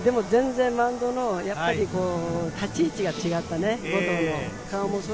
でもマウンドの立ち位置が違ったね、後藤のね。